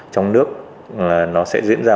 trong nước nó sẽ diễn ra